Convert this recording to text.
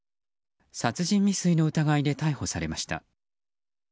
殺人未遂の疑いで逮捕されました。